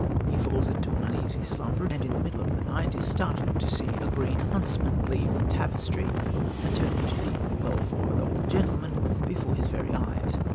He falls into an uneasy slumber, and in the middle of the night is startled to see a green huntsman leave the tapestry and turn into the "well fa'urd auld gentleman" before his very eyes.